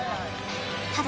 ただ